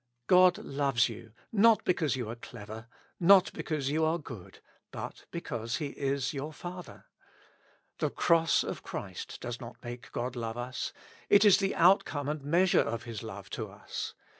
God loves you not because you are clever, not because you are good, but because He is your Father. The Cross of Christ does not make God love us ; it is the outcome and measure of His love to us.